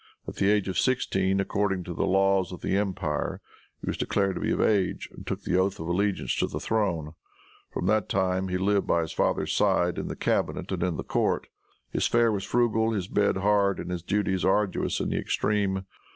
At the age of sixteen, according to the laws of the empire, he was declared to be of age and took the oath of allegiance to the throne. From that time he lived by his father's side in the cabinet and in the court. His fare was frugal, his bed hard, and his duties arduous in the extreme.